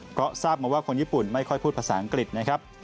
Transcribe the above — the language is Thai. เพราะทราบมาว่าคนญี่ปุ่นไม่ค่อยพูดภาษาอังกฤษนะครับ